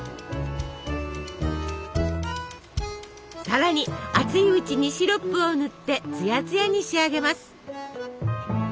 さらに熱いうちにシロップを塗ってツヤツヤに仕上げます。